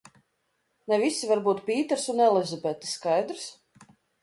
Ne visi var būt Pīters un Elizabete, skaidrs?